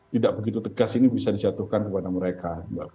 tidak begitu tegas ini bisa dijatuhkan kepada mereka